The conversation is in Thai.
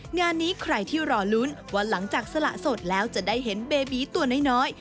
งานนี้ใครที่รอลุ้นว่าหลังจากสละสดแล้วจะได้เห็นเบบีตัวน้อย